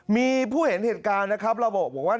มีผู้เห็นเหตุการณ์นะครับระบุบอกว่า